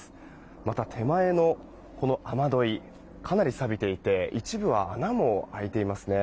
また、手前の雨どいかなりさびていて一部は穴も開いていますね。